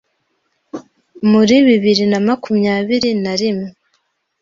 muri bibiri namakumyabiri narimwe